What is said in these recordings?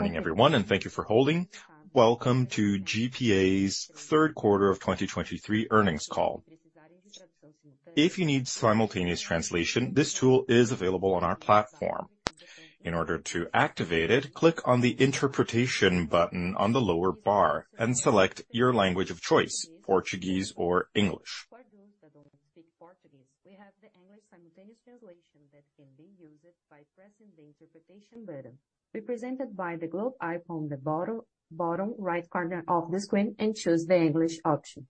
Morning, everyone, and thank you for holding. Welcome to GPA's third quarter of 2023 earnings call. If you need simultaneous translation, this tool is available on our platform. In order to activate it, click on the interpretation button on the lower bar and select your language of choice, Portuguese or English. For those that don't speak Portuguese, we have the English simultaneous translation that can be used by pressing the interpretation button, represented by the globe icon on the bottom, bottom right corner of the screen, and choose the English option.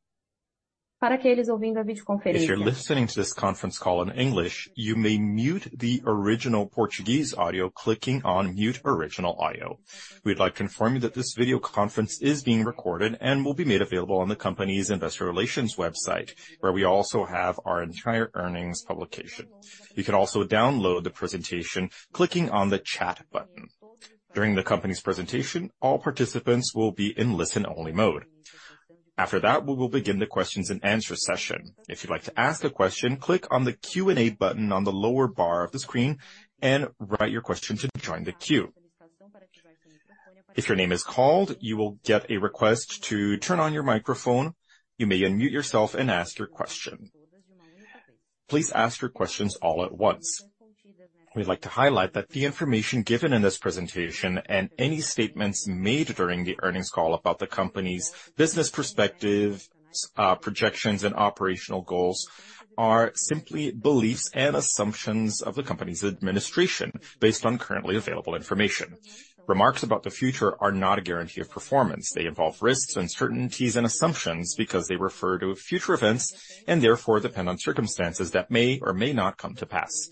If you're listening to this conference call in English, you may mute the original Portuguese audio, clicking on Mute Original Audio. We'd like to inform you that this video conference is being recorded and will be made available on the company's investor relations website, where we also have our entire earnings publication. You can also download the presentation, clicking on the chat button. During the company's presentation, all participants will be in listen-only mode. After that, we will begin the questions and answer session. If you'd like to ask a question, click on the Q&A button on the lower bar of the screen and write your question to join the queue. If your name is called, you will get a request to turn on your microphone. You may unmute yourself and ask your question. Please ask your questions all at once. We'd like to highlight that the information given in this presentation, and any statements made during the earnings call about the company's business perspective, projections and operational goals, are simply beliefs and assumptions of the company's administration based on currently available information. Remarks about the future are not a guarantee of performance. They involve risks, uncertainties, and assumptions because they refer to future events and therefore depend on circumstances that may or may not come to pass.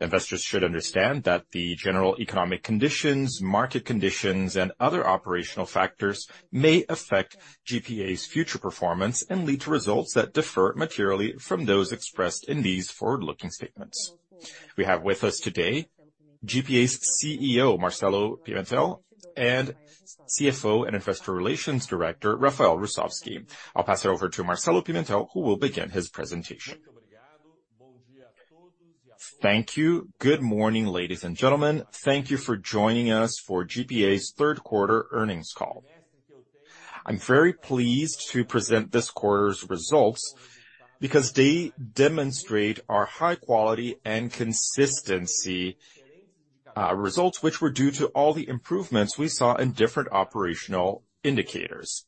Investors should understand that the general economic conditions, market conditions, and other operational factors may affect GPA's future performance and lead to results that differ materially from those expressed in these forward-looking statements. We have with us today GPA's CEO, Marcelo Pimentel, and CFO and Investor Relations Director, Rafael Russowsky. I'll pass it over to Marcelo Pimentel, who will begin his presentation. Thank you. Good morning, ladies and gentlemen. Thank you for joining us for GPA's third quarter earnings call. I'm very pleased to present this quarter's results because they demonstrate our high quality and consistency, results, which were due to all the improvements we saw in different operational indicators.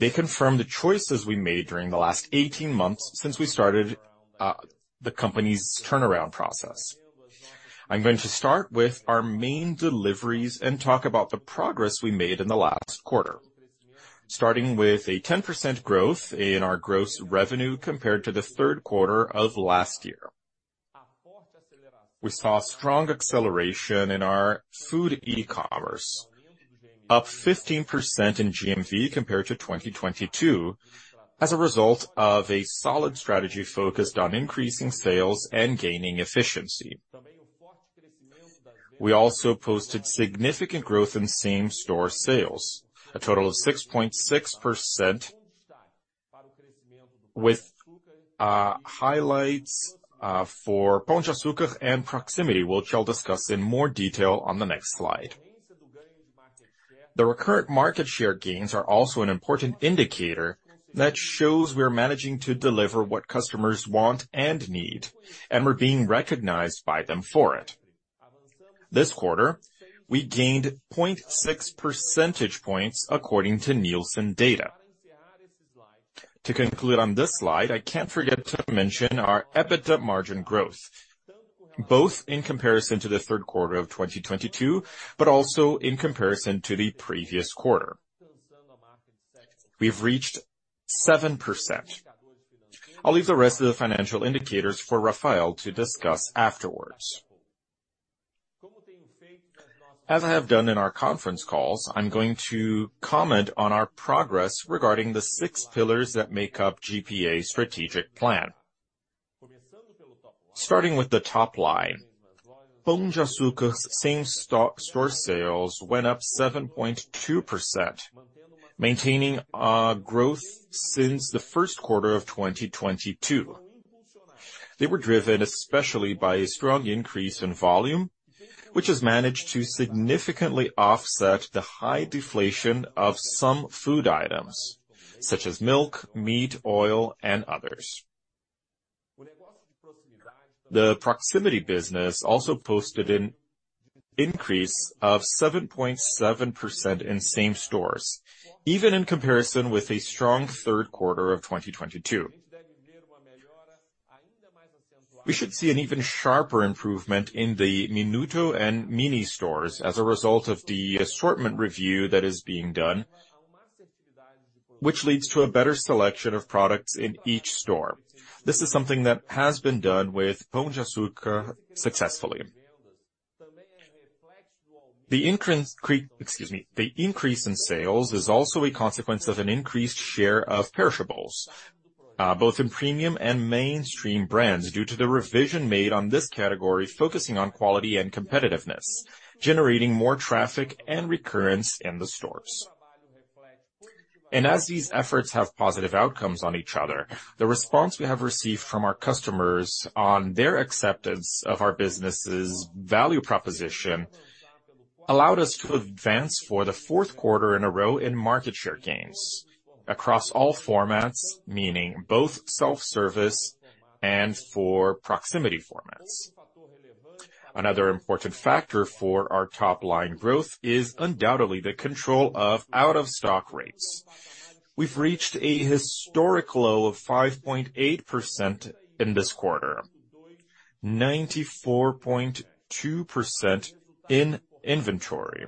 They confirm the choices we made during the last 18 months since we started, the company's turnaround process. I'm going to start with our main deliveries and talk about the progress we made in the last quarter. Starting with a 10% growth in our gross revenue compared to the third quarter of last year. We saw a strong acceleration in our food e-commerce, up 15% in GMV compared to 2022, as a result of a solid strategy focused on increasing sales and gaining efficiency. We also posted significant growth in same store sales, a total of 6.6%, with highlights for Pão de Açúcar and Proximity, which I'll discuss in more detail on the next slide. The recurrent market share gains are also an important indicator that shows we are managing to deliver what customers want and need, and we're being recognized by them for it. This quarter, we gained 0.6 percentage points according to Nielsen data. To conclude on this slide, I can't forget to mention our EBITDA margin growth, both in comparison to the third quarter of 2022, but also in comparison to the previous quarter. We've reached 7%. I'll leave the rest of the financial indicators for Rafael to discuss afterwards. As I have done in our conference calls, I'm going to comment on our progress regarding the 6 pillars that make up GPA's strategic plan. Starting with the top line, Pão de Açúcar's same-store sales went up 7.2%, maintaining our growth since the first quarter of 2022. They were driven, especially by a strong increase in volume, which has managed to significantly offset the high deflation of some food items, such as milk, meat, oil, and others. The Proximity business also posted an increase of 7.7% in same stores, even in comparison with a strong third quarter of 2022. We should see an even sharper improvement in the Minuto and Mini stores as a result of the assortment review that is being done, which leads to a better selection of products in each store. This is something that has been done with Pão de Açúcar successfully. The increase, excuse me, the increase in sales is also a consequence of an increased share of perishables, both in premium and mainstream brands, due to the revision made on this category, focusing on quality and competitiveness, generating more traffic and recurrence in the stores. And as these efforts have positive outcomes on each other, the response we have received from our customers on their acceptance of our business's value proposition, allowed us to advance for the fourth quarter in a row in market share gains across all formats, meaning both self-service and for proximity formats. Another important factor for our top line growth is undoubtedly the control of out-of-stock rates. We've reached a historic low of 5.8% in this quarter, 94.2% in inventory.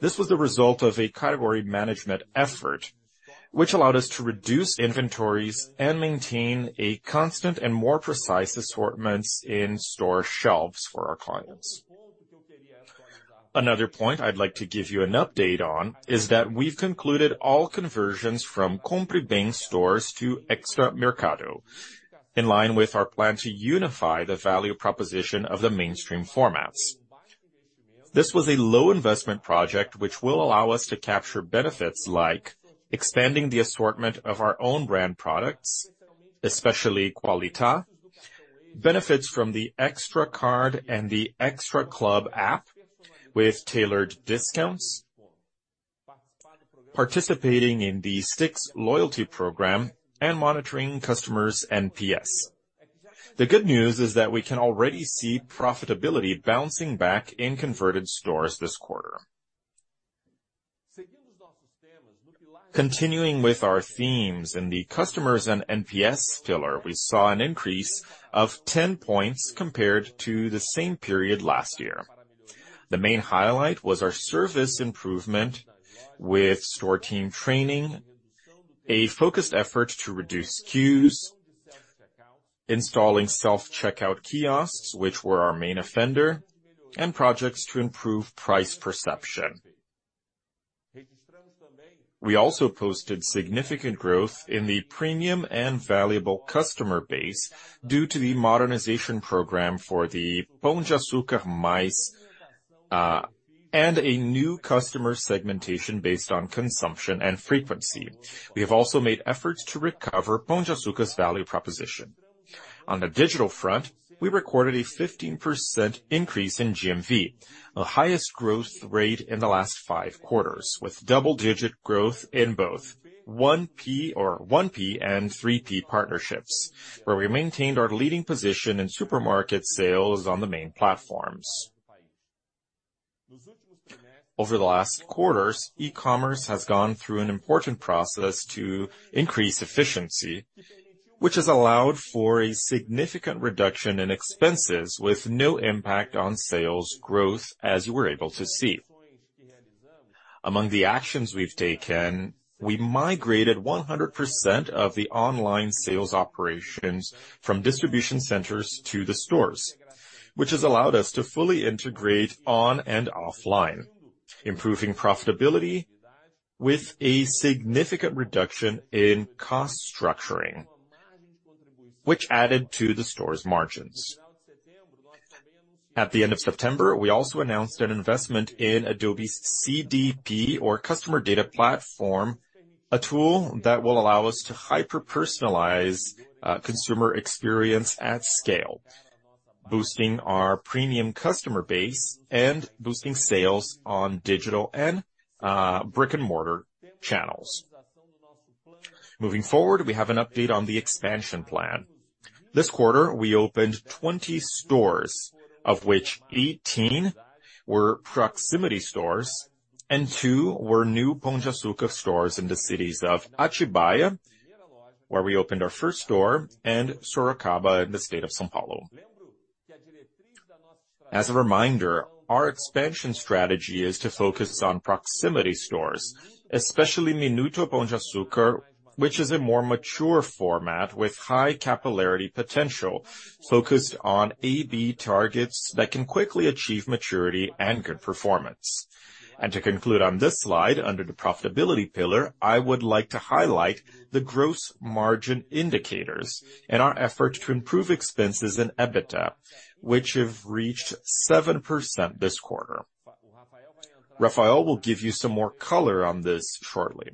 This was the result of a category management effort, which allowed us to reduce inventories and maintain a constant and more precise assortments in store shelves for our clients. Another point I'd like to give you an update on is that we've concluded all conversions from Compre Bem stores to Extra Mercado, in line with our plan to unify the value proposition of the mainstream formats. This was a low investment project, which will allow us to capture benefits like expanding the assortment of our own brand products, especially Qualitá, benefits from the Extra Card and the Extra Club app with tailored discounts, participating in the Stix loyalty program, and monitoring customers' NPS. The good news is that we can already see profitability bouncing back in converted stores this quarter. Continuing with our themes in the customers and NPS pillar, we saw an increase of 10 points compared to the same period last year. The main highlight was our service improvement with store team training, a focused effort to reduce queues, installing self-checkout kiosks, which were our main offender, and projects to improve price perception. We also posted significant growth in the premium and valuable customer base due to the modernization program for the Pão de Açúcar Mais, and a new customer segmentation based on consumption and frequency. We have also made efforts to recover Pão de Açúcar's value proposition. On the digital front, we recorded a 15% increase in GMV, the highest growth rate in the last 5 quarters, with double-digit growth in both 1P and 3P partnerships, where we maintained our leading position in supermarket sales on the main platforms. Over the last quarters, e-commerce has gone through an important process to increase efficiency, which has allowed for a significant reduction in expenses with no impact on sales growth, as you were able to see. Among the actions we've taken, we migrated 100% of the online sales operations from distribution centers to the stores, which has allowed us to fully integrate on and offline, improving profitability with a significant reduction in cost structuring, which added to the store's margins. At the end of September, we also announced an investment in Adobe's CDP or Customer Data Platform, a tool that will allow us to hyper-personalize consumer experience at scale, boosting our premium customer base and boosting sales on digital and brick-and-mortar channels. Moving forward, we have an update on the expansion plan. This quarter, we opened 20 stores, of which 18 were proximity stores and 2 were new Pão de Açúcar stores in the cities of Atibaia, where we opened our first store, and Sorocaba, in the state of São Paulo. As a reminder, our expansion strategy is to focus on proximity stores, especially Minuto Pão de Açúcar, which is a more mature format with high capillarity potential, focused on AB targets that can quickly achieve maturity and good performance. To conclude on this slide, under the profitability pillar, I would like to highlight the gross margin indicators and our effort to improve expenses and EBITDA, which have reached 7% this quarter. Rafael will give you some more color on this shortly.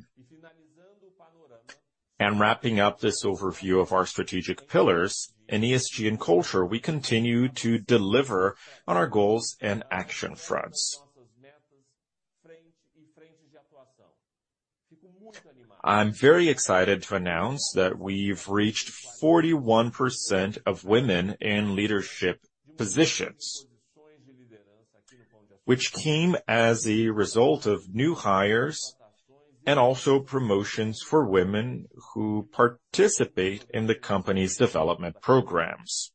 Wrapping up this overview of our strategic pillars in ESG and culture, we continue to deliver on our goals and action fronts. I'm very excited to announce that we've reached 41% of women in leadership positions, which came as a result of new hires and also promotions for women who participate in the company's development programs.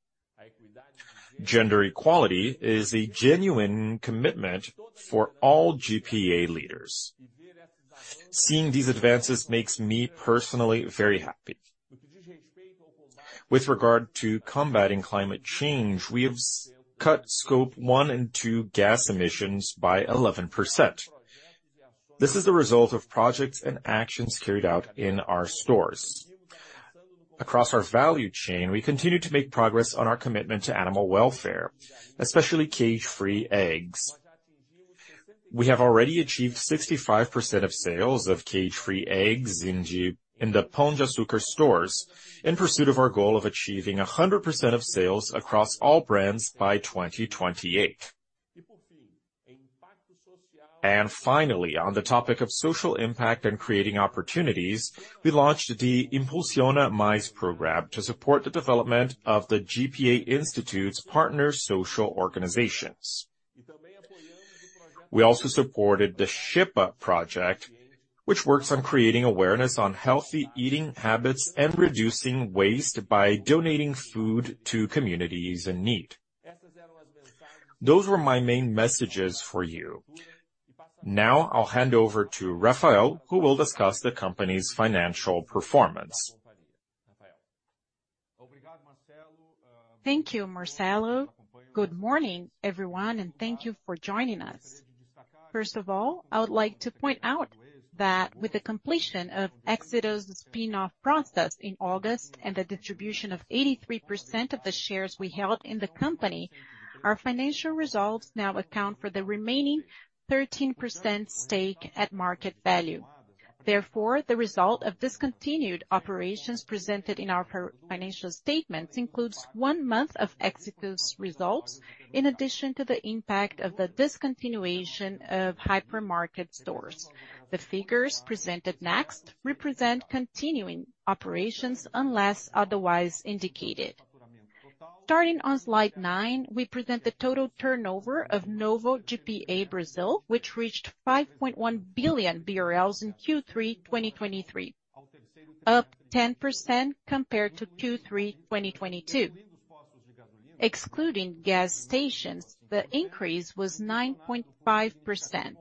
Gender equality is a genuine commitment for all GPA leaders. Seeing these advances makes me personally very happy. With regard to combating climate change, we have cut Scope 1 and Scope 2 gas emissions by 11%. This is the result of projects and actions carried out in our stores.... Across our value chain, we continue to make progress on our commitment to animal welfare, especially cage-free eggs. We have already achieved 65% of sales of cage-free eggs in the Pão de Açúcar stores, in pursuit of our goal of achieving 100% of sales across all brands by 2028. And finally, on the topic of social impact and creating opportunities, we launched the Impulciona Mais program to support the development of the GPA Institute's partner social organizations. We also supported the Xepa project, which works on creating awareness on healthy eating habits and reducing waste by donating food to communities in need. Those were my main messages for you. Now I'll hand over to Rafael, who will discuss the company's financial performance. Thank you, Marcelo. Good morning, everyone, and thank you for joining us. First of all, I would like to point out that with the completion of Éxito's spin-off process in August and the distribution of 83% of the shares we held in the company, our financial results now account for the remaining 13% stake at market value. Therefore, the result of discontinued operations presented in our previous financial statements includes one month of Éxito's results, in addition to the impact of the discontinuation of hypermarket stores. The figures presented next represent continuing operations, unless otherwise indicated. Starting on slide 9, we present the total turnover of Novo GPA Brazil, which reached 5.1 billion BRL in Q3 2023, up 10% compared to Q3 2022. Excluding gas stations, the increase was 9.5%,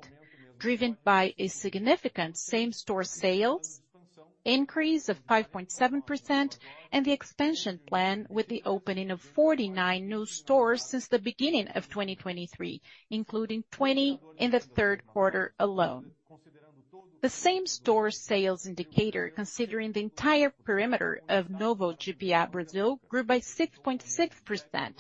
driven by a significant same-store sales increase of 5.7%, and the expansion plan, with the opening of 49 new stores since the beginning of 2023, including 20 in the third quarter alone. The same-store sales indicator, considering the entire perimeter of Novo GPA Brazil, grew by 6.6%,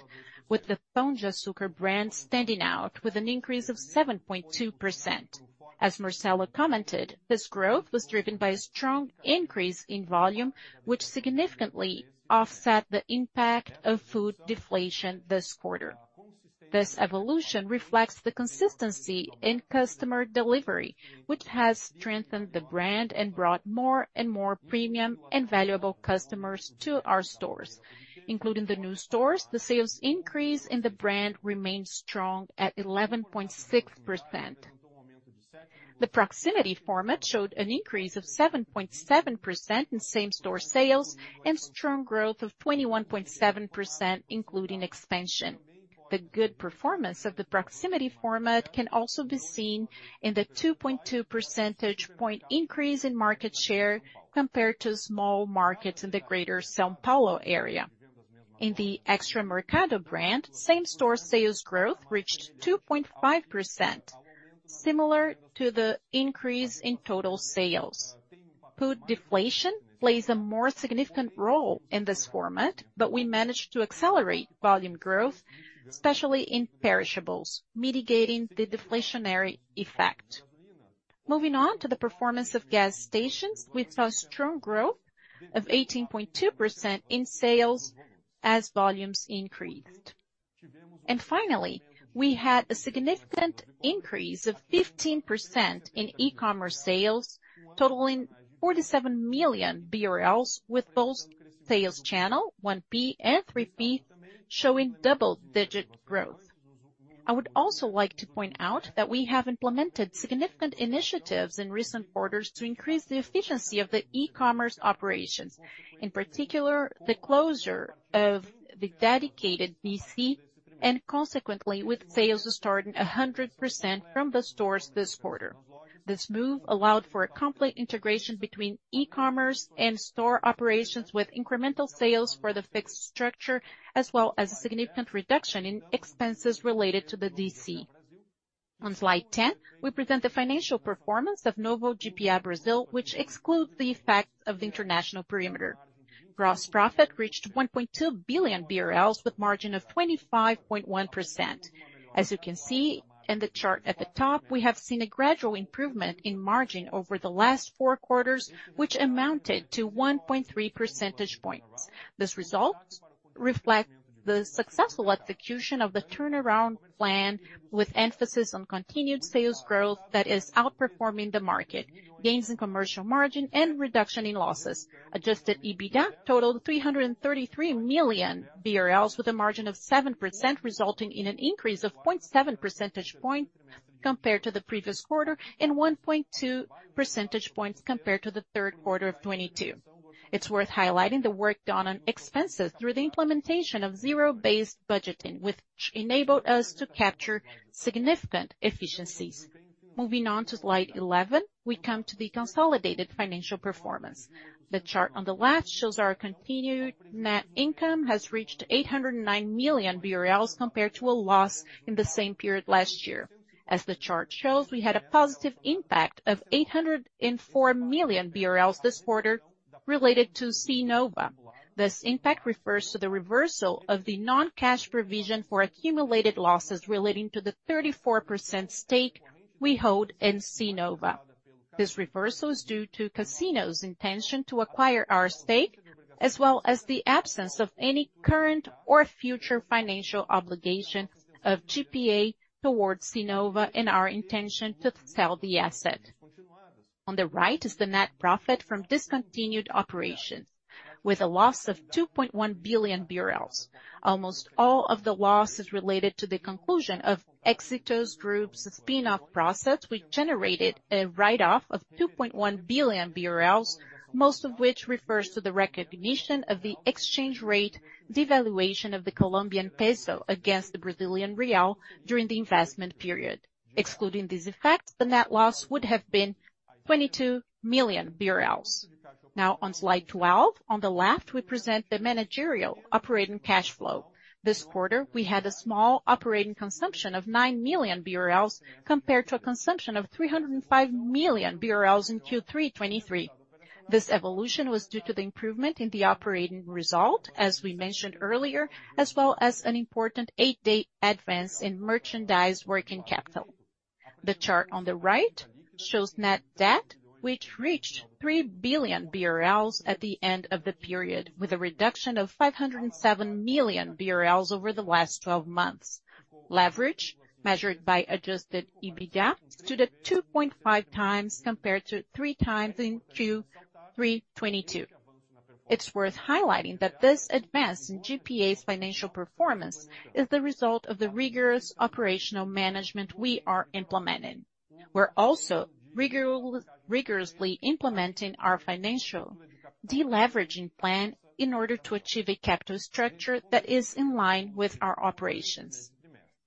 with the Pão de Açúcar brand standing out with an increase of 7.2%. As Marcelo commented, this growth was driven by a strong increase in volume, which significantly offset the impact of food deflation this quarter. This evolution reflects the consistency in customer delivery, which has strengthened the brand and brought more and more premium and valuable customers to our stores. Including the new stores, the sales increase in the brand remained strong at 11.6%. The proximity format showed an increase of 7.7% in same-store sales and strong growth of 21.7%, including expansion. The good performance of the proximity format can also be seen in the 2.2 percentage point increase in market share compared to small markets in the greater São Paulo area. In the Extra Mercado brand, same-store sales growth reached 2.5%, similar to the increase in total sales. Food deflation plays a more significant role in this format, but we managed to accelerate volume growth, especially in perishables, mitigating the deflationary effect. Moving on to the performance of gas stations, we saw strong growth of 18.2% in sales as volumes increased. Finally, we had a significant increase of 15% in e-commerce sales, totaling 47 million BRL, with both sales channels, 1P and 3P, showing double-digit growth. I would also like to point out that we have implemented significant initiatives in recent quarters to increase the efficiency of the e-commerce operations, in particular, the closure of the dedicated DC, and consequently, with sales starting 100% from the stores this quarter. This move allowed for a complete integration between e-commerce and store operations, with incremental sales for the fixed structure, as well as a significant reduction in expenses related to the DC. On slide 10, we present the financial performance of Novo GPA Brazil, which excludes the effects of the international perimeter. Gross profit reached 1.2 billion BRL, with margin of 25.1%. As you can see in the chart at the top, we have seen a gradual improvement in margin over the last four quarters, which amounted to 1.3 percentage points. This results reflect the successful execution of the turnaround plan, with emphasis on continued sales growth that is outperforming the market, gains in commercial margin and reduction in losses. Adjusted EBITDA totaled 333 million BRL, with a margin of 7%, resulting in an increase of 0.7 percentage point compared to the previous quarter and 1.2 percentage points compared to the third quarter of 2022. It's worth highlighting the work done on expenses through the implementation of zero-based budgeting, which enabled us to capture significant efficiencies. Moving on to slide 11, we come to the consolidated financial performance. The chart on the left shows our continued net income has reached 809 million BRL, compared to a loss in the same period last year. As the chart shows, we had a positive impact of 804 million BRL this quarter related to Cnova. This impact refers to the reversal of the non-cash provision for accumulated losses relating to the 34% stake we hold in Cnova. This reversal is due to Casino's intention to acquire our stake, as well as the absence of any current or future financial obligation of GPA towards Cnova, and our intention to sell the asset. On the right is the net profit from discontinued operations with a loss of 2.1 billion BRL. Almost all of the loss is related to the conclusion of Éxito Group's spin-off process, which generated a write-off of 2.1 billion BRL, most of which refers to the recognition of the exchange rate devaluation of the Colombian peso against the Brazilian real during the investment period. Excluding these effects, the net loss would have been 22 million BRL. Now, on slide 12, on the left, we present the managerial operating cash flow. This quarter, we had a small operating consumption of 9 million BRL, compared to a consumption of 305 million BRL in Q3 2023. This evolution was due to the improvement in the operating result, as we mentioned earlier, as well as an important 8-day advance in merchandise working capital. The chart on the right shows net debt, which reached 3 billion BRL at the end of the period, with a reduction of 507 million BRL over the last twelve months. Leverage, measured by adjusted EBITDA, stood at 2.5x compared to 3x in Q3 2022. It's worth highlighting that this advance in GPA's financial performance is the result of the rigorous operational management we are implementing. We're also rigorously implementing our financial deleveraging plan in order to achieve a capital structure that is in line with our operations.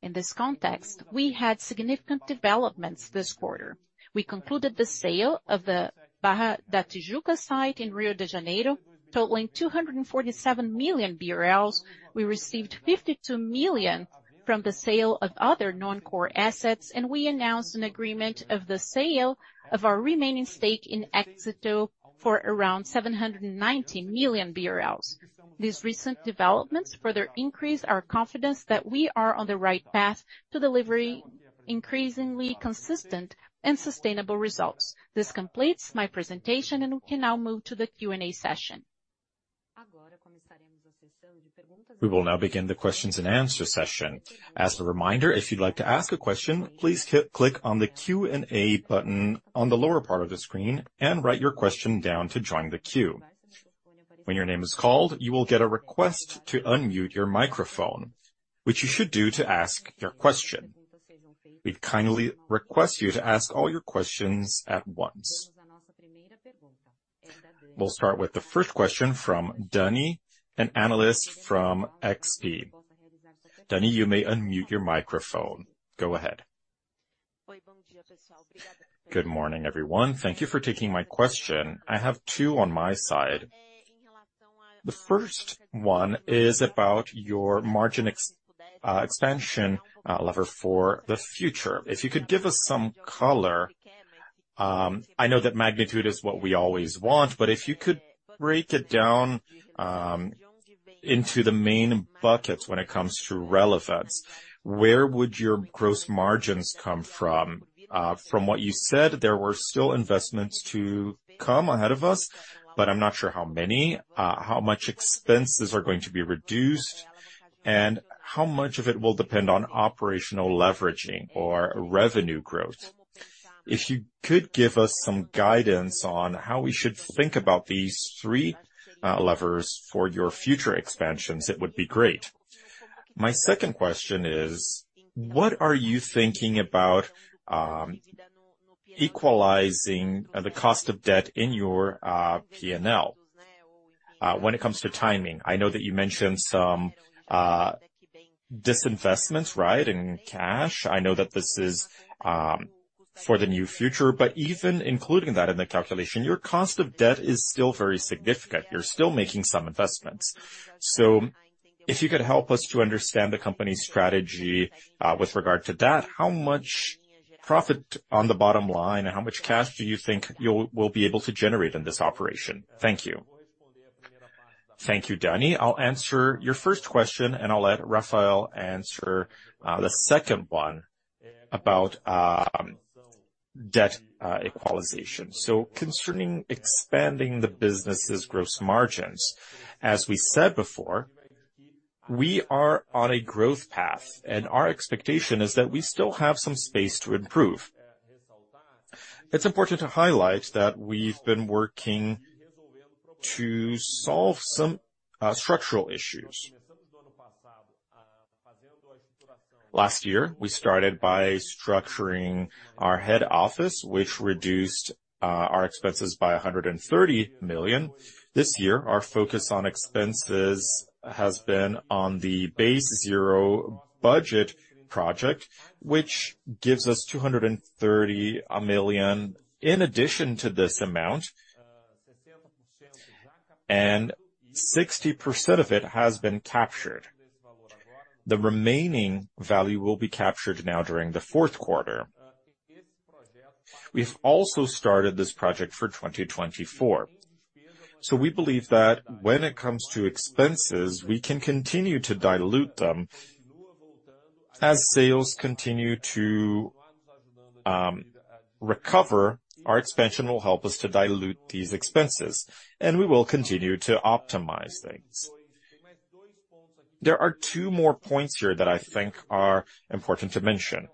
In this context, we had significant developments this quarter. We concluded the sale of the Barra da Tijuca site in Rio de Janeiro, totaling 247 million BRL. We received 52 million from the sale of other non-core assets, and we announced an agreement of the sale of our remaining stake in Éxito for around 790 million BRL. These recent developments further increase our confidence that we are on the right path to delivering increasingly consistent and sustainable results. This completes my presentation, and we can now move to the Q&A session. We will now begin the question-and-answer session. As a reminder, if you'd like to ask a question, please click on the Q&A button on the lower part of the screen and write your question down to join the queue. When your name is called, you will get a request to unmute your microphone, which you should do to ask your question. We'd kindly request you to ask all your questions at once. We'll start with the first question from Dani, an analyst from XP. Dani, you may unmute your microphone. Go ahead. Good morning, everyone. Thank you for taking my question. I have two on my side. The first one is about your margin ex expansion lever for the future. If you could give us some color, I know that magnitude is what we always want, but if you could break it down into the main buckets when it comes to relevance, where would your gross margins come from? From what you said, there were still investments to come ahead of us, but I'm not sure how many, how much expenses are going to be reduced, and how much of it will depend on operational leveraging or revenue growth. If you could give us some guidance on how we should think about these three levers for your future expansions, it would be great. My second question is: What are you thinking about equalizing the cost of debt in your P&L when it comes to timing? I know that you mentioned some disinvestment, right, in cash. I know that this is for the new future, but even including that in the calculation, your cost of debt is still very significant. You're still making some investments. So if you could help us to understand the company's strategy, with regard to that, how much profit on the bottom line and how much cash do you think you'll be able to generate in this operation? Thank you. Thank you, Dani. I'll answer your first question, and I'll let Rafael answer the second one about debt equalization. So concerning expanding the business's gross margins, as we said before, we are on a growth path, and our expectation is that we still have some space to improve. It's important to highlight that we've been working to solve some structural issues. Last year, we started by structuring our head office, which reduced our expenses by 130 million. This year, our focus on expenses has been on the Base Zero Budget project, which gives us 230 million. In addition to this amount, and 60% of it has been captured. The remaining value will be captured now during the fourth quarter. ...We've also started this project for 2024. So we believe that when it comes to expenses, we can continue to dilute them. As sales continue to recover, our expansion will help us to dilute these expenses, and we will continue to optimize things. There are two more points here that I think are important to mention.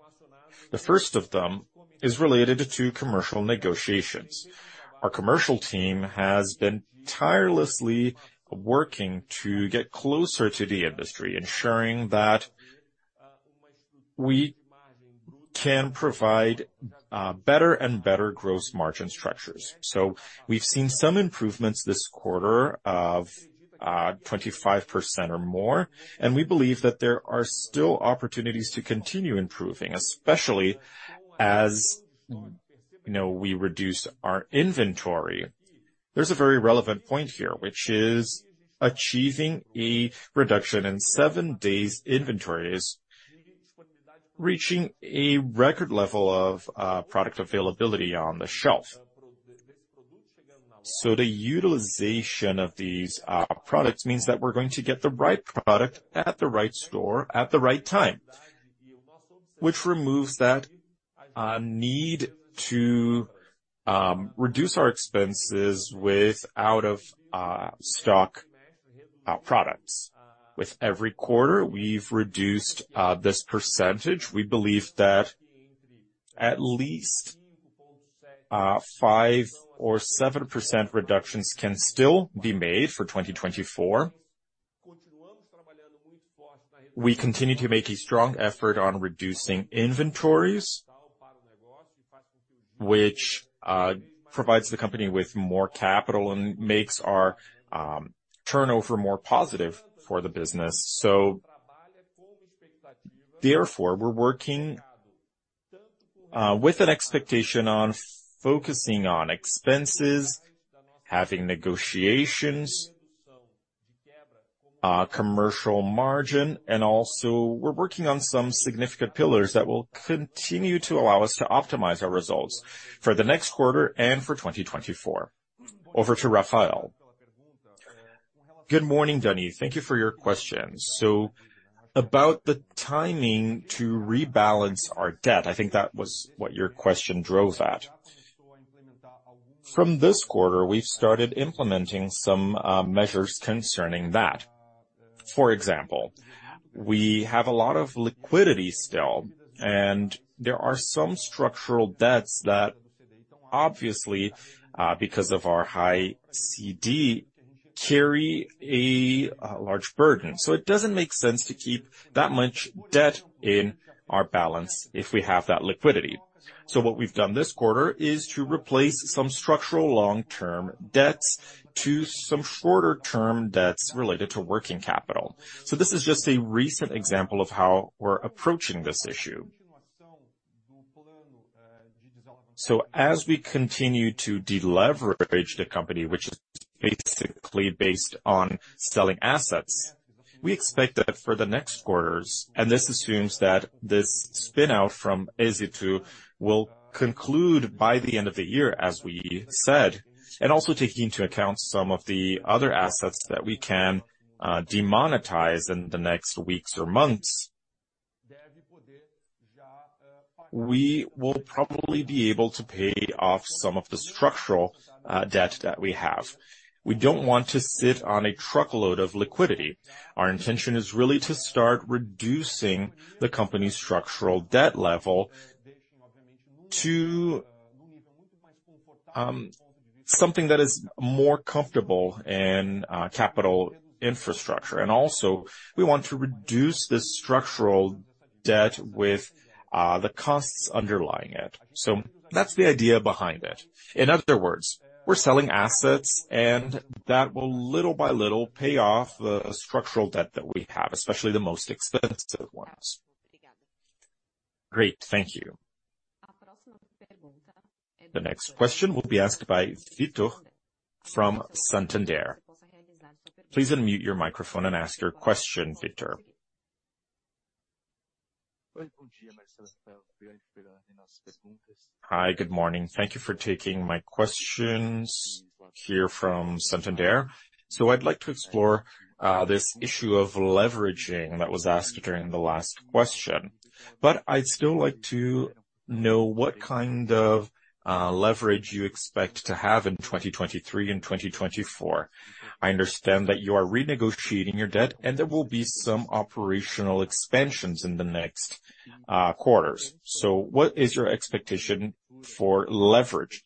The first of them is related to commercial negotiations. Our commercial team has been tirelessly working to get closer to the industry, ensuring that we can provide better and better gross margin structures. So we've seen some improvements this quarter of 25% or more, and we believe that there are still opportunities to continue improving, especially as, you know, we reduce our inventory. There's a very relevant point here, which is achieving a reduction in seven days inventories, reaching a record level of product availability on the shelf. So the utilization of these products means that we're going to get the right product at the right store at the right time, which removes that need to reduce our expenses with out of stock products. With every quarter, we've reduced this percentage. We believe that at least 5%-7% reductions can still be made for 2024. We continue to make a strong effort on reducing inventories, which provides the company with more capital and makes our turnover more positive for the business. So therefore, we're working with an expectation on focusing on expenses, having negotiations, commercial margin, and also we're working on some significant pillars that will continue to allow us to optimize our results for the next quarter and for 2024. Over to Rafael. Good morning, Dani. Thank you for your questions. So about the timing to rebalance our debt, I think that was what your question drove at. From this quarter, we've started implementing some measures concerning that. For example, we have a lot of liquidity still, and there are some structural debts that obviously, because of our high CDI, carry a large burden. So it doesn't make sense to keep that much debt in our balance if we have that liquidity. So what we've done this quarter is to replace some structural long-term debts to some shorter-term debts related to working capital. So this is just a recent example of how we're approaching this issue. So as we continue to deleverage the company, which is basically based on selling assets, we expect that for the next quarters, and this assumes that this spin-out from Éxito will conclude by the end of the year, as we said, and also taking into account some of the other assets that we can demonetize in the next weeks or months. We will probably be able to pay off some of the structural debt that we have. We don't want to sit on a truckload of liquidity. Our intention is really to start reducing the company's structural debt level to something that is more comfortable in capital infrastructure. And also, we want to reduce the structural debt with the costs underlying it. So that's the idea behind it. In other words, we're selling assets, and that will little by little pay off the structural debt that we have, especially the most expensive ones. Great. Thank you. The next question will be asked by Victor from Santander. Please unmute your microphone and ask your question, Victor. Hi, good morning. Thank you for taking my questions here from Santander. So I'd like to explore this issue of leveraging that was asked during the last question, but I'd still like to know what kind of leverage you expect to have in 2023 and 2024. I understand that you are renegotiating your debt, and there will be some operational expansions in the next quarters. So what is your expectation for leverage?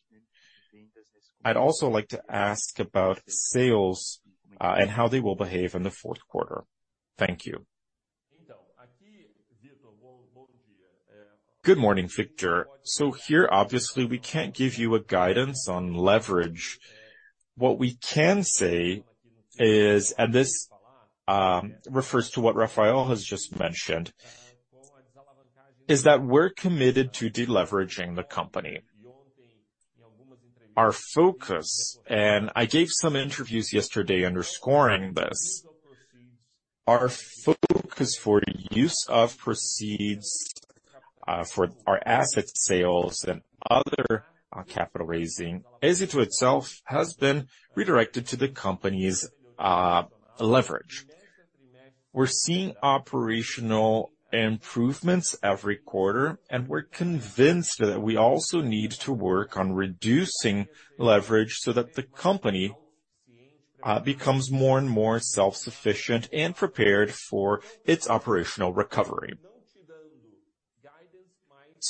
I'd also like to ask about sales and how they will behave in the fourth quarter. Thank you. Good morning, Victor. So here, obviously, we can't give you a guidance on leverage. What we can say is, and this refers to what Rafael has just mentioned, is that we're committed to deleveraging the company. Our focus, and I gave some interviews yesterday underscoring this. Our focus for use of proceeds, for our asset sales and other capital raising, as it to itself, has been redirected to the company's leverage. We're seeing operational improvements every quarter, and we're convinced that we also need to work on reducing leverage so that the company becomes more and more self-sufficient and prepared for its operational recovery.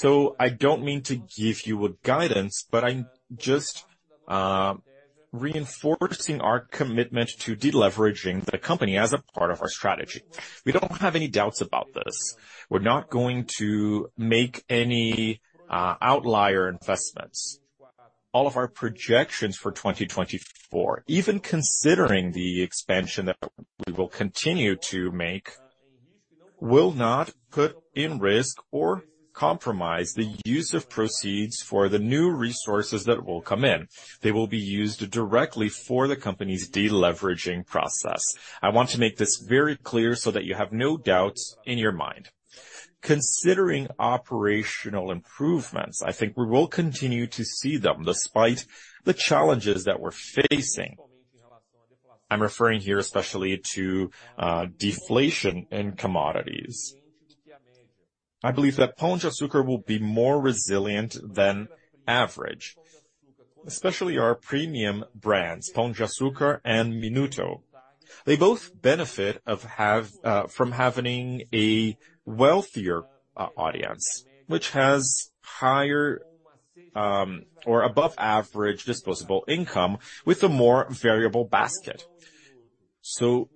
So I don't mean to give you a guidance, but I'm just reinforcing our commitment to deleveraging the company as a part of our strategy. We don't have any doubts about this. We're not going to make any outlier investments. All of our projections for 2024, even considering the expansion that we will continue to make, will not put in risk or compromise the use of proceeds for the new resources that will come in. They will be used directly for the company's deleveraging process. I want to make this very clear so that you have no doubts in your mind. Considering operational improvements, I think we will continue to see them despite the challenges that we're facing. I'm referring here, especially to deflation in commodities. I believe that Pão de Açúcar will be more resilient than average, especially our premium brands, Pão de Açúcar and Minuto. They both benefit of have from having a wealthier audience, which has higher or above average disposable income with a more variable basket. So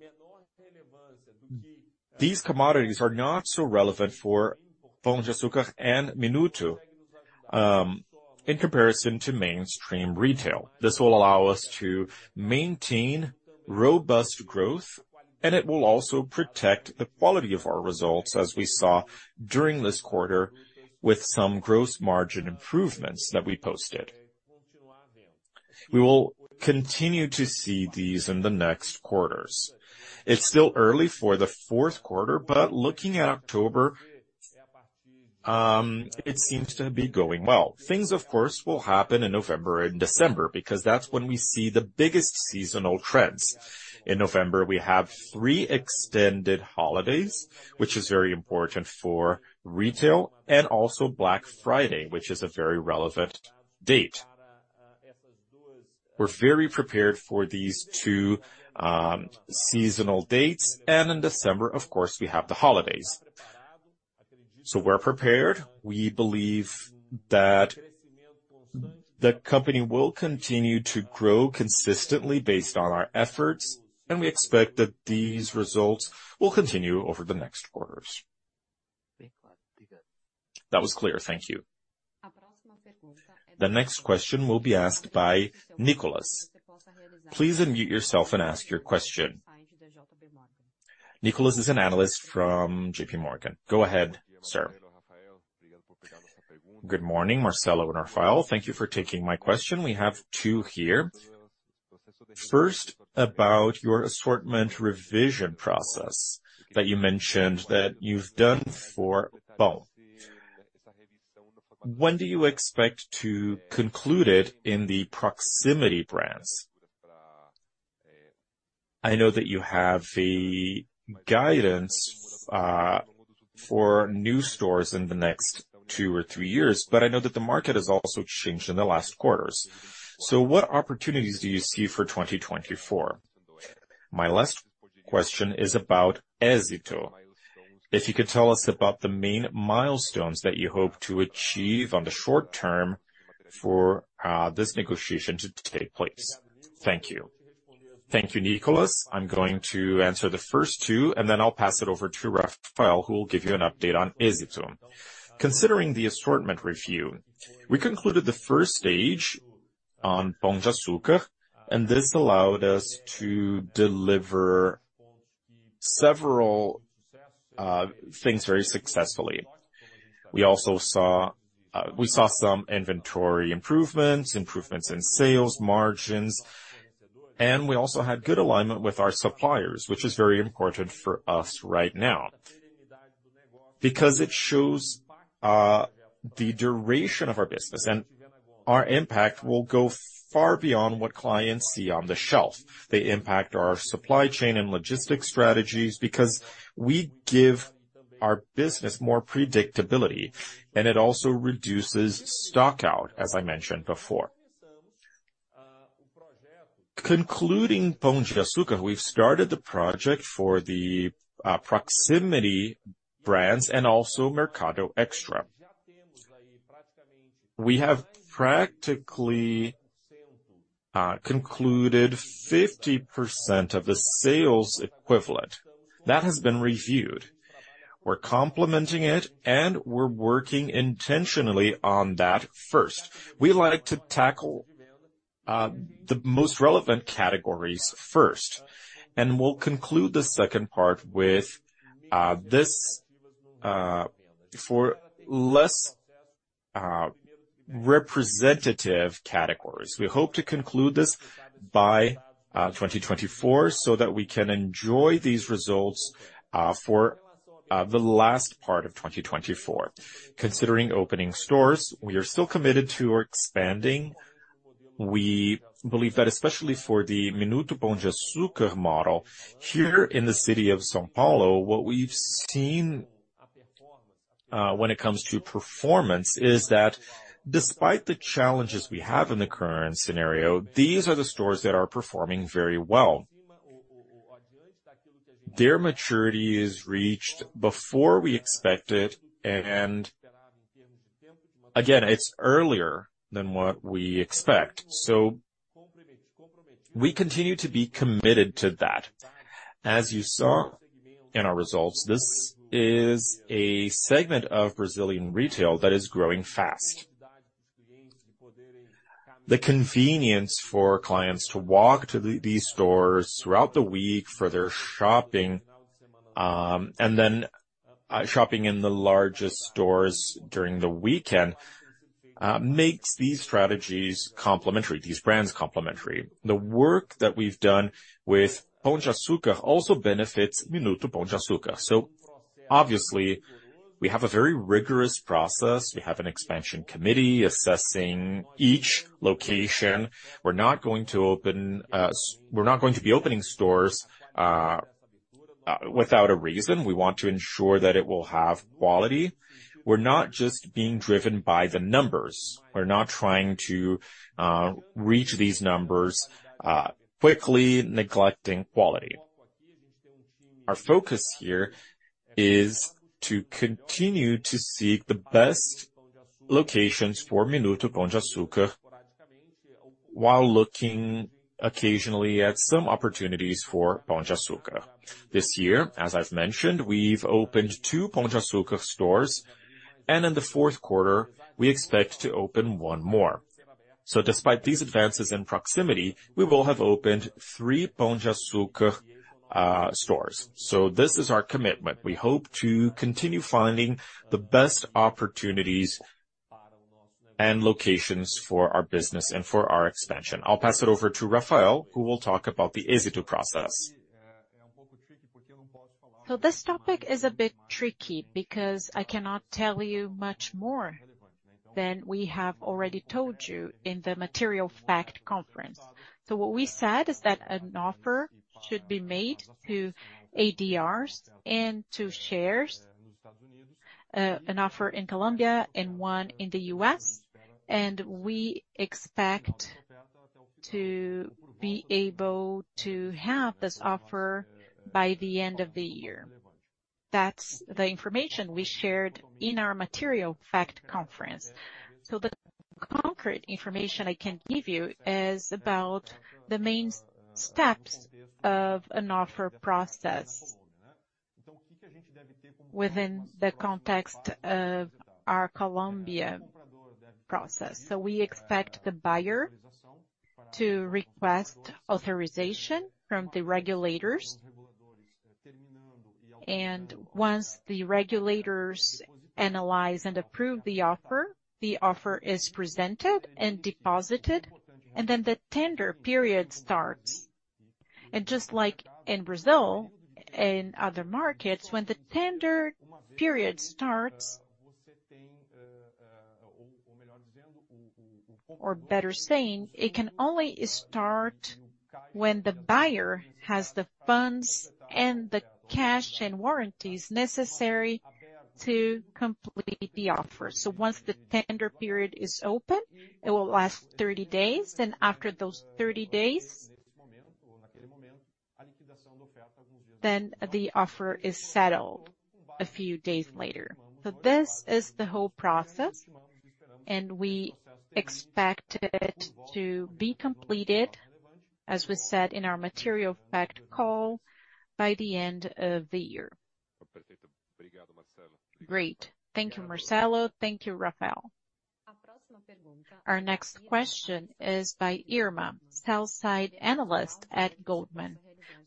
these commodities are not so relevant for Pão de Açúcar and Minuto, in comparison to mainstream retail. This will allow us to maintain robust growth, and it will also protect the quality of our results, as we saw during this quarter, with some gross margin improvements that we posted. We will continue to see these in the next quarters. It's still early for the fourth quarter, but looking at October, it seems to be going well. Things, of course, will happen in November and December, because that's when we see the biggest seasonal trends. In November, we have three extended holidays, which is very important for retail and also Black Friday, which is a very relevant date. We're very prepared for these two, seasonal dates, and in December, of course, we have the holidays. So we're prepared. We believe that the company will continue to grow consistently based on our efforts, and we expect that these results will continue over the next quarters. That was clear. Thank you. The next question will be asked by Nicolás. Please unmute yourself and ask your question. Nicolás is an analyst from JPMorgan. Go ahead, sir. Good morning, Marcelo and Rafael. Thank you for taking my question. We have two here. First, about your assortment revision process that you mentioned that you've done for both. When do you expect to conclude it in the proximity brands? I know that you have a guidance for new stores in the next two or three years, but I know that the market has also changed in the last quarters. So what opportunities do you see for 2024? My last question is about Éxito. If you could tell us about the main milestones that you hope to achieve on the short term for this negotiation to take place. Thank you. Thank you, Nicolás. I'm going to answer the first two, and then I'll pass it over to Rafael, who will give you an update on Éxito. Considering the assortment review, we concluded the first stage on Pão de Açúcar, and this allowed us to deliver several, things very successfully. We also saw, we saw some inventory improvements, improvements in sales margins, and we also had good alignment with our suppliers, which is very important for us right now, because it shows, the duration of our business, and our impact will go far beyond what clients see on the shelf. They impact our supply chain and logistics strategies because we give our business more predictability, and it also reduces stock out, as I mentioned before. Concluding Pão de Açúcar, we've started the project for the, proximity brands and also Mercado Extra. We have practically, concluded 50% of the sales equivalent that has been reviewed. We're complementing it, and we're working intentionally on that first. We like to tackle the most relevant categories first, and we'll conclude the second part with this for less representative categories. We hope to conclude this by 2024, so that we can enjoy these results for the last part of 2024. Considering opening stores, we are still committed to expanding. We believe that, especially for the Minuto Pão de Açúcar model, here in the city of São Paulo, what we've seen when it comes to performance, is that despite the challenges we have in the current scenario, these are the stores that are performing very well. Their maturity is reached before we expect it, and again, it's earlier than what we expect. So we continue to be committed to that. As you saw in our results, this is a segment of Brazilian retail that is growing fast. The convenience for clients to these stores throughout the week for their shopping, and then, shopping in the largest stores during the weekend, makes these strategies complementary, these brands complementary. The work that we've done with Pão de Açúcar also benefits Minuto Pão de Açúcar. So obviously, we have a very rigorous process. We have an expansion committee assessing each location. We're not going to open, we're not going to be opening stores, without a reason. We want to ensure that it will have quality. We're not just being driven by the numbers. We're not trying to, reach these numbers, quickly neglecting quality. Our focus here is to continue to seek the best locations for Minuto Pão de Açúcar, while looking occasionally at some opportunities for Pão de Açúcar. This year, as I've mentioned, we've opened two Pão de Açúcar stores, and in the fourth quarter, we expect to open one more. So despite these advances in proximity, we will have opened three Pão de Açúcar stores. So this is our commitment. We hope to continue finding the best opportunities and locations for our business and for our expansion. I'll pass it over to Rafael, who will talk about the e-commerce process. So this topic is a bit tricky, because I cannot tell you much more than we have already told you in the Material Fact conference. So what we said is that an offer should be made to ADRs and to shares, an offer in Colombia and one in the U.S., and we expect to be able to have this offer by the end of the year. That's the information we shared in our Material Fact conference. So the concrete information I can give you is about the main steps of an offer process within the context of our Colombia process. So we expect the buyer to request authorization from the regulators. Once the regulators analyze and approve the offer, the offer is presented and deposited, and then the tender period starts. Just like in Brazil and other markets, when the tender period starts, or better saying, it can only start when the buyer has the funds and the cash and warranties necessary to complete the offer. So once the tender period is open, it will last 30 days, then after those 30 days, then the offer is settled a few days later. So this is the whole process, and we expect it to be completed, as we said in our Material Fact call, by the end of the year. Great. Thank you, Marcelo. Thank you, Rafael. Our next question is by Irma, sell-side analyst at Goldman.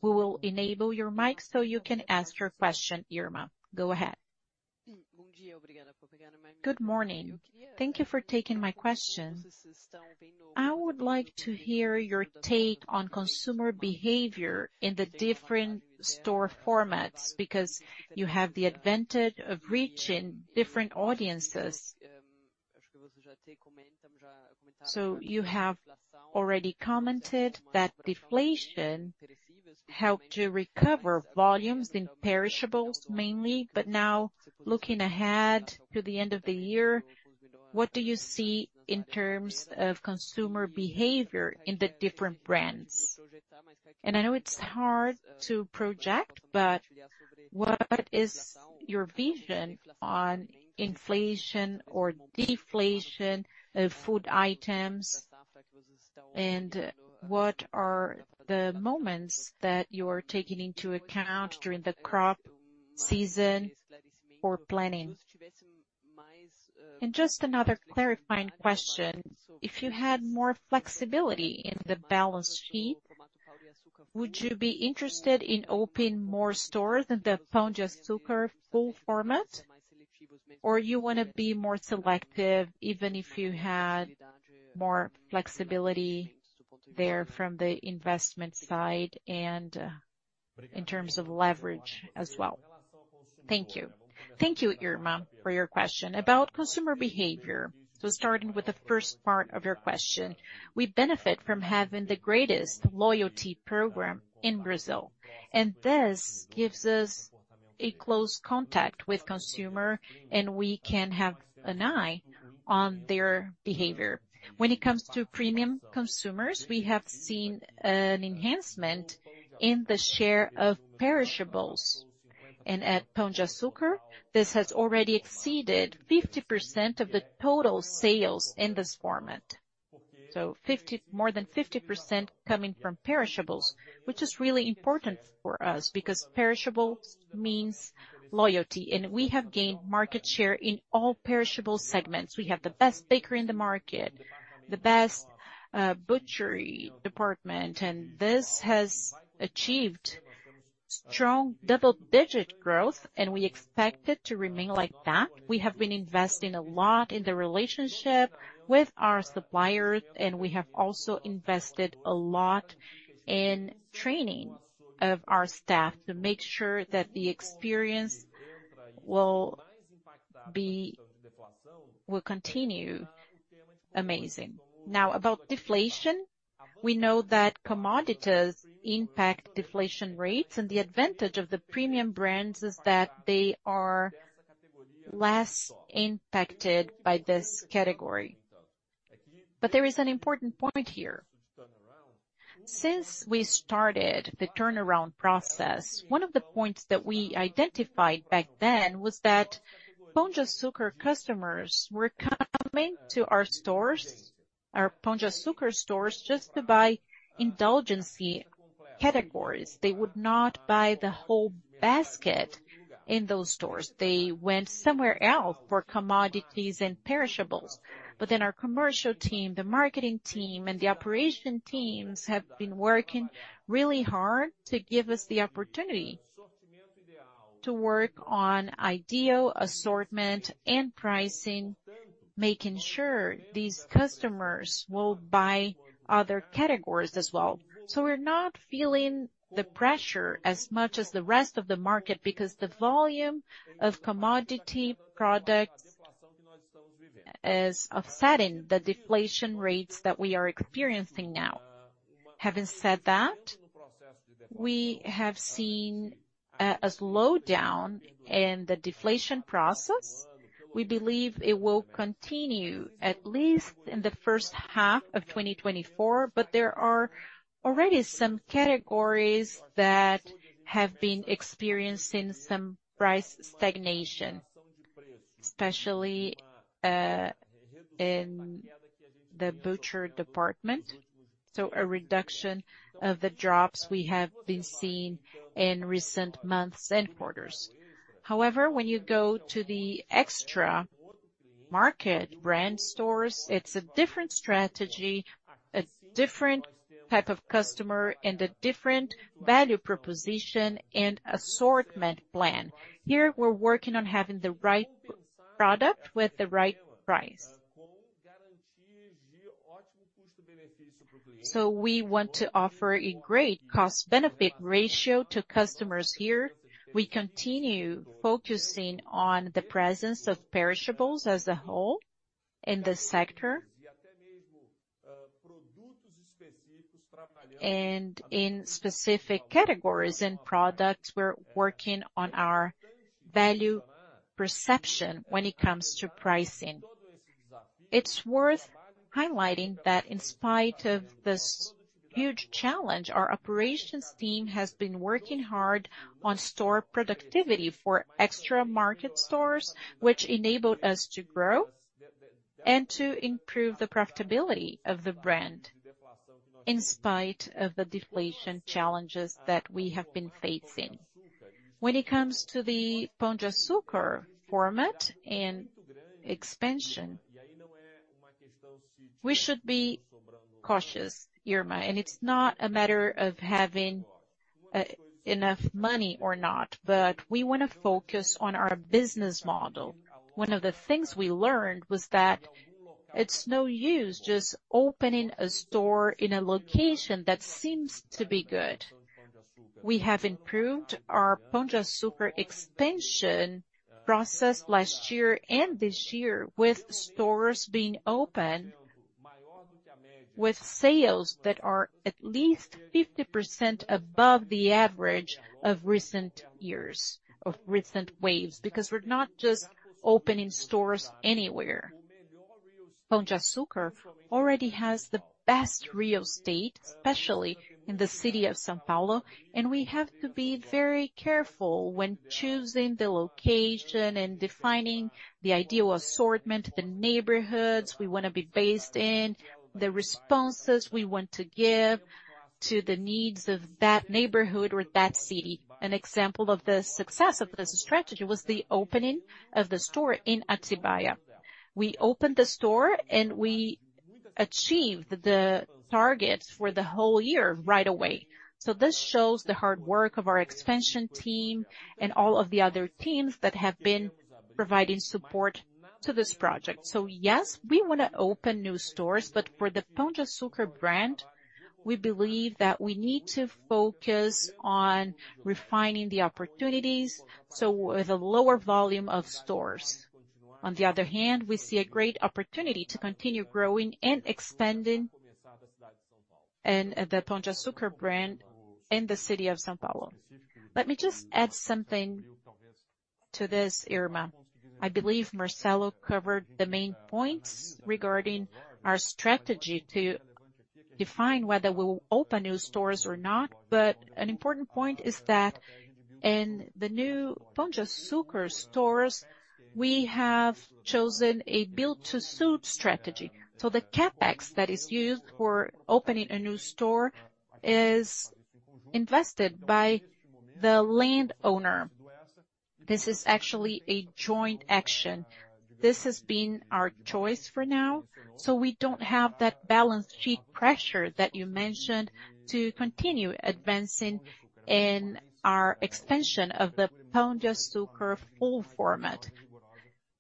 We will enable your mic so you can ask your question, Irma. Go ahead. Good morning. Thank you for taking my question. I would like to hear your take on consumer behavior in the different store formats, because you have the advantage of reaching different audiences. So you have already commented that deflation helped to recover volumes in perishables, mainly. But now, looking ahead to the end of the year, what do you see in terms of consumer behavior in the different brands? And I know it's hard to project, but what is your vision on inflation or deflation of food items? And what are the moments that you are taking into account during the crop season or planning? And just another clarifying question: If you had more flexibility in the balance sheet ... Would you be interested in opening more stores in the Pão de Açúcar full format? Or you wanna be more selective, even if you had more flexibility there from the investment side and, in terms of leverage as well? Thank you. Thank you, Irma, for your question. About consumer behavior, so starting with the first part of your question, we benefit from having the greatest loyalty program in Brazil, and this gives us a close contact with consumer, and we can have an eye on their behavior. When it comes to premium consumers, we have seen an enhancement in the share of perishables. And at Pão de Açúcar, this has already exceeded 50% of the total sales in this format. So more than 50% coming from perishables, which is really important for us, because perishables means loyalty, and we have gained market share in all perishable segments. We have the best bakery in the market, the best butchery department, and this has achieved strong double-digit growth, and we expect it to remain like that. We have been investing a lot in the relationship with our suppliers, and we have also invested a lot in training of our staff to make sure that the experience will continue amazing. Now, about deflation, we know that commodities impact deflation rates, and the advantage of the premium brands is that they are less impacted by this category. But there is an important point here. Since we started the turnaround process, one of the points that we identified back then was that Pão de Açúcar customers were coming to our stores, our Pão de Açúcar stores, just to buy indulgency categories. They would not buy the whole basket in those stores. They went somewhere else for commodities and perishables. But then our commercial team, the marketing team, and the operation teams have been working really hard to give us the opportunity to work on ideal assortment and pricing, making sure these customers will buy other categories as well. So we're not feeling the pressure as much as the rest of the market, because the volume of commodity products is offsetting the deflation rates that we are experiencing now. Having said that, we have seen a slowdown in the deflation process. We believe it will continue at least in the first half of 2024, but there are already some categories that have been experiencing some price stagnation, especially in the butcher department, so a reduction of the drops we have been seeing in recent months and quarters. However, when you go to the Extra Mercado brand stores, it's a different strategy, a different type of customer, and a different value proposition and assortment plan. Here, we're working on having the right product with the right price. So we want to offer a great cost-benefit ratio to customers here. We continue focusing on the presence of perishables as a whole in this sector. And in specific categories and products, we're working on our value perception when it comes to pricing. It's worth highlighting that in spite of this huge challenge, our operations team has been working hard on store productivity for Extra Mercado stores, which enabled us to grow and to improve the profitability of the brand, in spite of the deflation challenges that we have been facing. When it comes to the Pão de Açúcar format and expansion, we should be cautious, Irma, and it's not a matter of having enough money or not, but we wanna focus on our business model. One of the things we learned was that it's no use just opening a store in a location that seems to be good. We have improved our Pão de Açúcar expansion process last year and this year, with stores being open, with sales that are at least 50% above the average of recent years, of recent waves, because we're not just opening stores anywhere. Pão de Açúcar already has the best Rio de Janeiro state, especially in the city of São Paulo, and we have to be very careful when choosing the location and defining the ideal assortment, the neighborhoods we wanna be based in, the responses we want to give to the needs of that neighborhood or that city. An example of the success of this strategy was the opening of the store in Atibaia. We opened the store, and we achieve the targets for the whole year right away. So this shows the hard work of our expansion team and all of the other teams that have been providing support to this project. So yes, we wanna open new stores, but for the Pão de Açúcar brand, we believe that we need to focus on refining the opportunities, so with a lower volume of stores. On the other hand, we see a great opportunity to continue growing and expanding and the Pão de Açúcar brand in the city of São Paulo. Let me just add something to this, Irma. I believe Marcelo covered the main points regarding our strategy to define whether we will open new stores or not. But an important point is that in the new Pão de Açúcar stores, we have chosen a Build-to-Suit strategy. So the CapEx that is used for opening a new store is invested by the landowner. This is actually a joint action. This has been our choice for now, so we don't have that balance sheet pressure that you mentioned to continue advancing in our expansion of the Pão de Açúcar full format.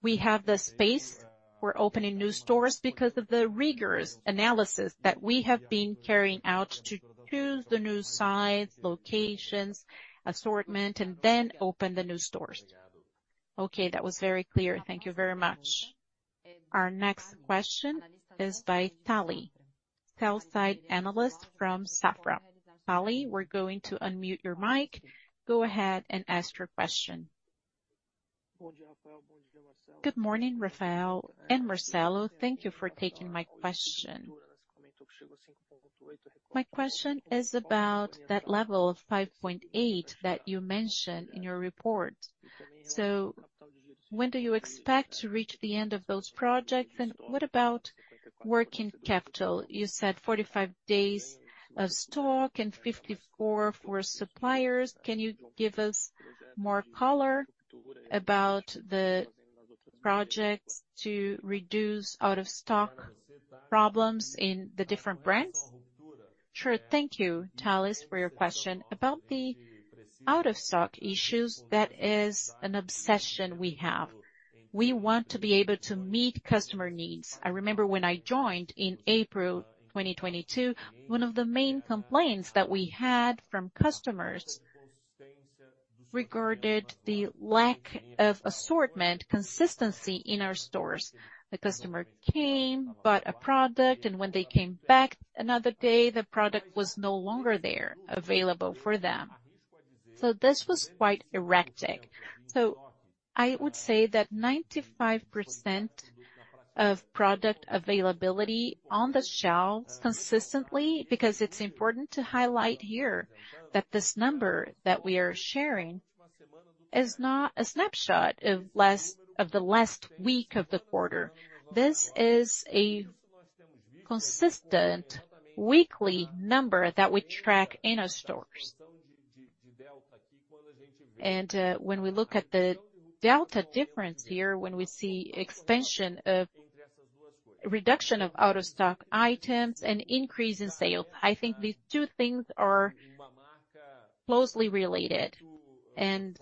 We have the space, we're opening new stores because of the rigorous analysis that we have been carrying out to choose the new sites, locations, assortment, and then open the new stores. Okay, that was very clear. Thank you very much. Our next question is by Tali, sell-side analyst from Safra. Tali, we're going to unmute your mic. Go ahead and ask your question. Good morning, Rafael and Marcelo. Thank you for taking my question. My question is about that level of 5.8 that you mentioned in your report. So when do you expect to reach the end of those projects, and what about working capital? You said 45 days of stock and 54 for suppliers. Can you give us more color about the projects to reduce out-of-stock problems in the different brands? Sure. Thank you, Tali, for your question. About the out-of-stock issues, that is an obsession we have. We want to be able to meet customer needs. I remember when I joined in April 2022, one of the main complaints that we had from customers regarded the lack of assortment consistency in our stores. The customer came, bought a product, and when they came back another day, the product was no longer there available for them. So this was quite erratic. So I would say that 95% of product availability on the shelves consistently, because it's important to highlight here that this number that we are sharing is not a snapshot of the last week of the quarter. This is a consistent weekly number that we track in our stores. When we look at the delta difference here, when we see expansion of reduction of out-of-stock items and increase in sales, I think these two things are closely related. And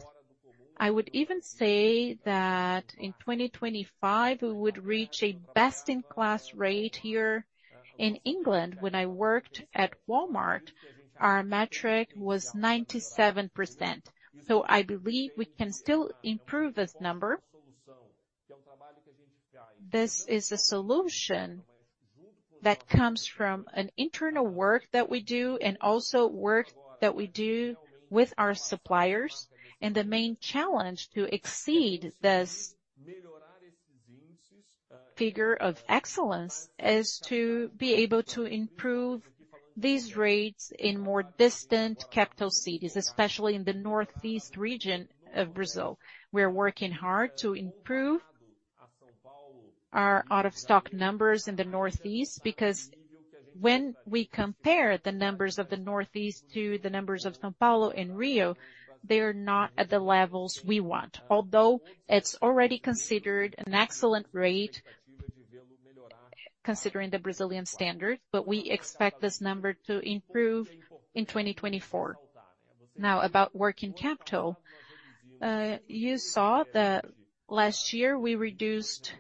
I would even say that in 2025, we would reach a best-in-class rate here. In England, when I worked at Walmart, our metric was 97%, so I believe we can still improve this number. This is a solution that comes from an internal work that we do and also work that we do with our suppliers, and the main challenge to exceed this figure of excellence is to be able to improve these rates in more distant capital cities, especially in the northeast region of Brazil. We are working hard to improve our out-of-stock numbers in the northeast, because when we compare the numbers of the Northeast to the numbers of São Paulo and Rio, they are not at the levels we want, although it's already considered an excellent rate, considering the Brazilian standard, but we expect this number to improve in 2024. Now, about working capital, you saw that last year we reduced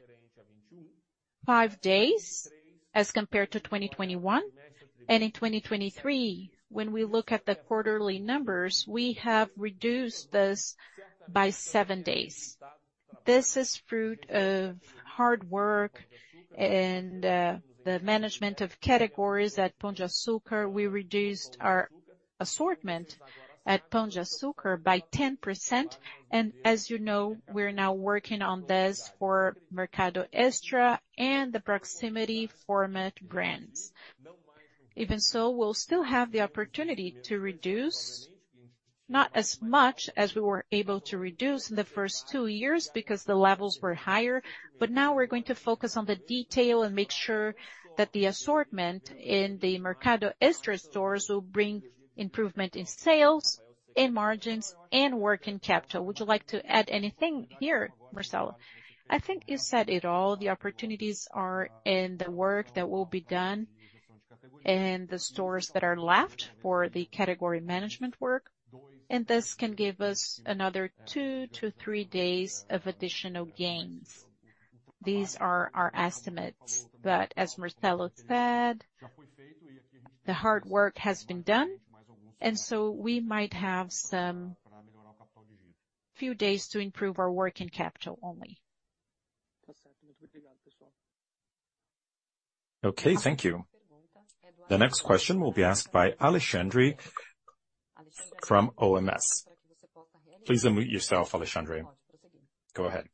5 days as compared to 2021, and in 2023, when we look at the quarterly numbers, we have reduced this by 7 days. This is fruit of hard work and the management of categories at Pão de Açúcar. We reduced our assortment at Pão de Açúcar by 10%, and as you know, we're now working on this for Mercado Extra and the proximity format brands. Even so, we'll still have the opportunity to reduce, not as much as we were able to reduce in the first two years because the levels were higher. But now we're going to focus on the detail and make sure that the assortment in the Mercado Extra stores will bring improvement in sales, in margins, and working capital. Would you like to add anything here, Marcelo? I think you said it all. The opportunities are in the work that will be done. ... and the stores that are left for the category management work, and this can give us another 2-3 days of additional gains. These are our estimates, but as Marcelo said, the hard work has been done, and so we might have some few days to improve our working capital only. Okay, thank you. The next question will be asked by Alexandre from OMS. Please unmute yourself, Alexandre. Go ahead.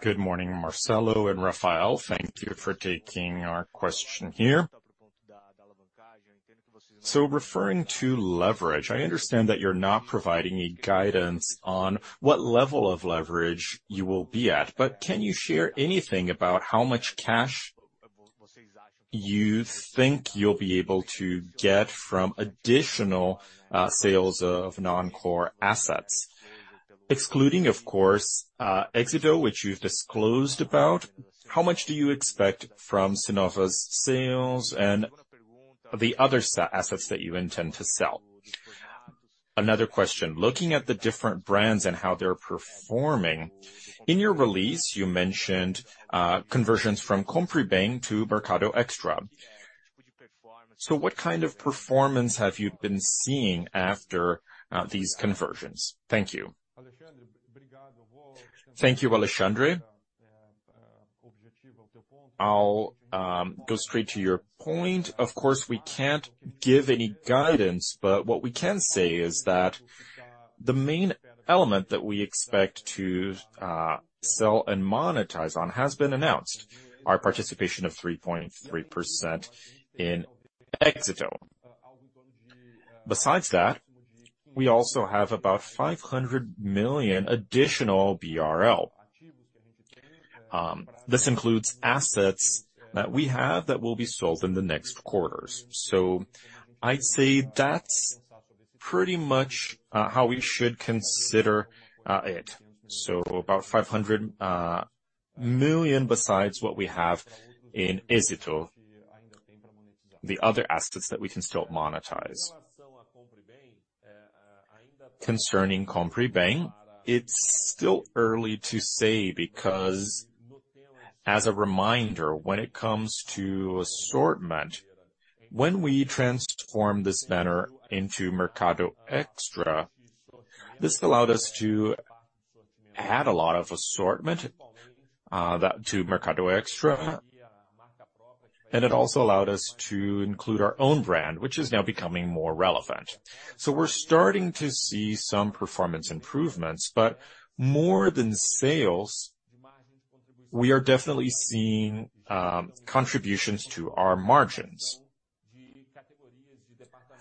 Good morning, Marcelo and Rafael. Thank you for taking our question here. So referring to leverage, I understand that you're not providing any guidance on what level of leverage you will be at, but can you share anything about how much cash you think you'll be able to get from additional sales of non-core assets? Excluding, of course, Éxito, which you've disclosed about, how much do you expect from Cnova's sales and the other assets that you intend to sell? Another question: looking at the different brands and how they're performing, in your release, you mentioned conversions from Compre Bem to Mercado Extra. So what kind of performance have you been seeing after these conversions? Thank you. Thank you, Alexandre. I'll go straight to your point. Of course, we can't give any guidance, but what we can say is that the main element that we expect to sell and monetize on has been announced, our participation of 3.3% in Éxito. Besides that, we also have about 500 million BRL additional. This includes assets that we have that will be sold in the next quarters. So I'd say that's pretty much how we should consider it. So about 500 million, besides what we have in Éxito, the other assets that we can still monetize. Concerning Compre Bem, it's still early to say, because as a reminder, when it comes to assortment, when we transform this banner into Mercado Extra, this allowed us to add a lot of assortment to Mercado Extra, and it also allowed us to include our own brand, which is now becoming more relevant. So we're starting to see some performance improvements, but more than sales, we are definitely seeing contributions to our margins.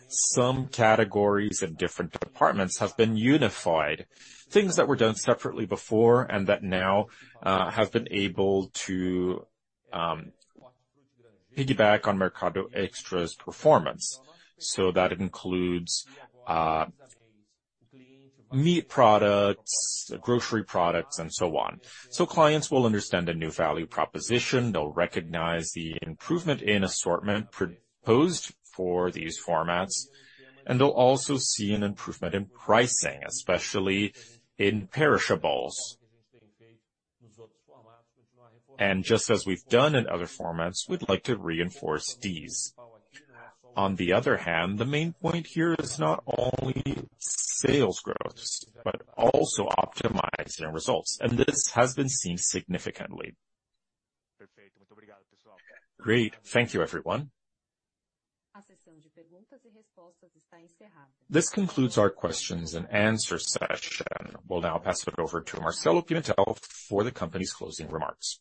Some categories and different departments have been unified, things that were done separately before and that now have been able to piggyback on Mercado Extra's performance. So that includes meat products, grocery products, and so on. So clients will understand a new value proposition, they'll recognize the improvement in assortment proposed for these formats, and they'll also see an improvement in pricing, especially in perishables. Just as we've done in other formats, we'd like to reinforce these. On the other hand, the main point here is not only sales growth, but also optimizing results, and this has been seen significantly. Great. Thank you, everyone. This concludes our question-and-answer session. We'll now pass it over to Marcelo Pimentel for the company's closing remarks.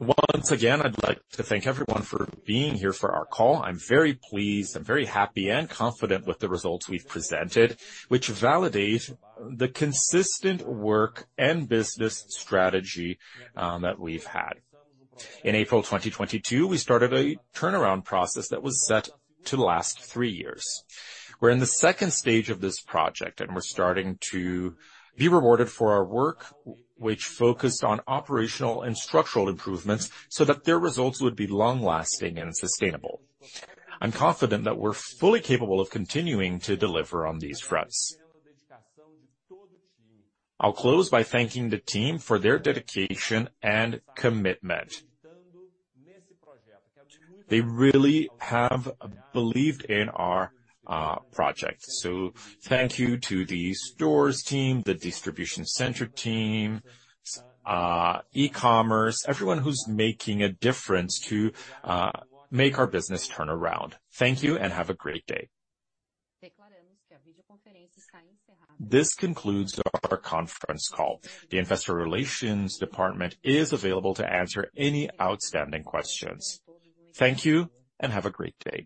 Once again, I'd like to thank everyone for being here for our call. I'm very pleased, I'm very happy and confident with the results we've presented, which validate the consistent work and business strategy that we've had. In April 2022, we started a turnaround process that was set to last three years. We're in the second stage of this project, and we're starting to be rewarded for our work, which focused on operational and structural improvements so that their results would be long-lasting and sustainable. I'm confident that we're fully capable of continuing to deliver on these fronts. I'll close by thanking the team for their dedication and commitment. They really have believed in our project. So thank you to the stores team, the distribution center team, e-commerce, everyone who's making a difference to make our business turn around. Thank you and have a great day. This concludes our conference call. The investor relations department is available to answer any outstanding questions. Thank you, and have a great day.